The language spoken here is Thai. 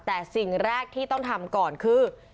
แต่สิ่งแรกที่ต้องทำก่อนคือ